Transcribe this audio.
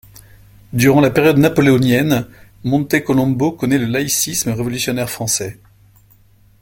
Durant la période napoléonienne, Monte Colombo connait le laïcisme révolutionnaire français.